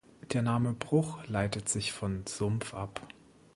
Der Name "Bruch" leitet sich von Sumpf ab.